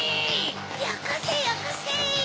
よこせよこせ！